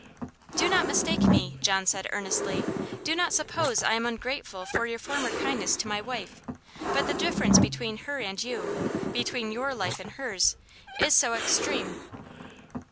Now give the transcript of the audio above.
"Do not mistake me," John said, earnestly. "Do not suppose I am ungrateful for your former kindness to my wife; but the difference between her and you between your life and hers is so extreme."